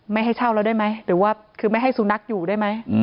ไม่ให้เช่าแล้วได้ไหมหรือว่าคือไม่ให้สุนัขอยู่ได้ไหม